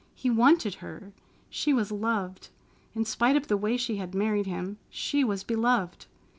He wanted her! She was loved! In spite of the way she had married him, she was beloved!